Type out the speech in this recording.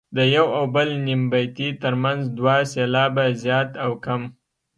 د یو او بل نیم بیتي ترمنځ دوه سېلابه زیات او کم.